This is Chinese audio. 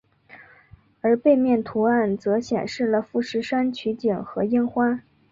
而背面图案则显示了富士山取景和樱花。